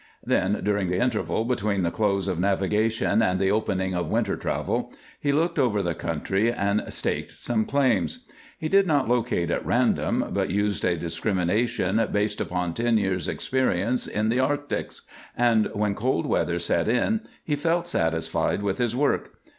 Then, during the interval between the close of navigation and the opening of winter travel he looked over the country and staked some claims. He did not locate at random, but used a discrimination based upon ten years' experience in the arctics, and when cold weather set in he felt satisfied with his work.